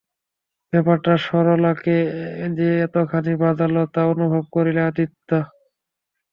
ব্যাপারটা সরলাকে যে কতখানি বাজল তা অনুভব করলে আদিত্য।